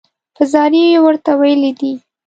په زاریو یې ورته ویلي دي.